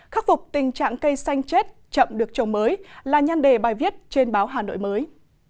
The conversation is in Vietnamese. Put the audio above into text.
khắc phục tình trạng cây xanh chết chậm được trồng mới là nhân đề bài viết trên báo hà nội mới